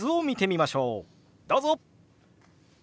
どうぞ！